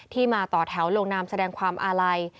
มาต่อแถวลงนามแสดงความอาลัย